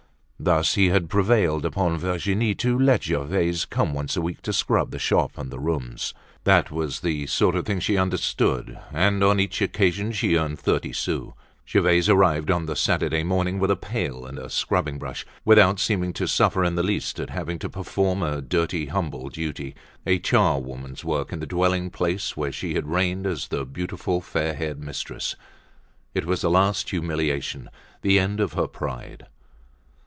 Thus he had prevailed upon Virginie to let Gervaise come once a week to scrub the shop and the rooms. That was the sort of thing she understood and on each occasion she earned her thirty sous. Gervaise arrived on the Saturday morning with a pail and a scrubbing brush, without seeming to suffer in the least at having to perform a dirty, humble duty, a charwoman's work in the dwelling place where she had reigned as the beautiful fair haired mistress. It was a last humiliation, the end of her pride.